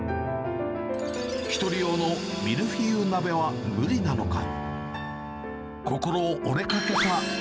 １人用のミルフィーユ鍋は無理なのか。